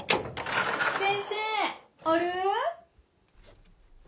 ・・先生おる？